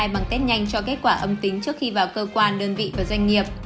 bằng test nhanh cho kết quả âm tính trước khi vào cơ quan đơn vị và doanh nghiệp